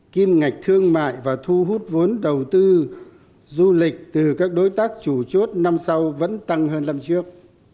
kim ngạch thương mại và thu hút vốn đầu tư du lịch từ các đối tác chủ chốt năm sau vẫn tăng hơn năm trước